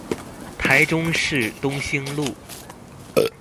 臺中市東興路